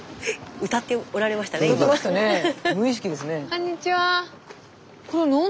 こんにちは。